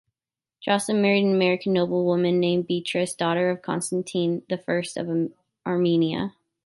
Joscelin married an Armenian noblewoman named Beatrice, daughter of Constantine the First of Armenia.